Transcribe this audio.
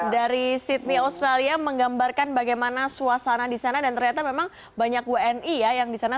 dari sydney australia menggambarkan bagaimana suasana di sana dan ternyata memang banyak wni ya yang di sana